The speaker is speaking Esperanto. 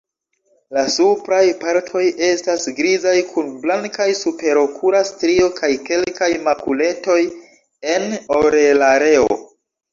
La supraj partoj estas grizaj kun blankaj superokula strio kaj kelkaj makuletoj en orelareo.